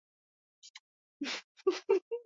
Wakuu hao wa nchi wamesema kwamba katika siku za usoni